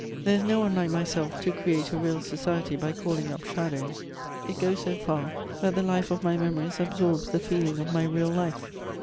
There is no one like myself to create a real society by calling up shadows; it goes so far that the life of my memories absorbs the feeling of my real life.